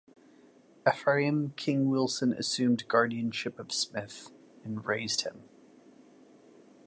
Ephraim King Wilson assumed guardianship of Smith, and raised him.